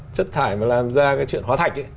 chất thải mà làm ra cái chuyện hóa thạch